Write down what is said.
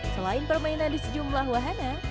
selain permainan di sejumlah wahana